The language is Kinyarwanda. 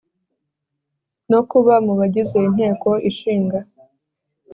No kuba mu bagize inteko ishinga